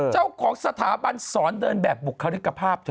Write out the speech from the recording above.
เจ้าของสถาบันสอนเดินแบบบุคลิกภาพเธอ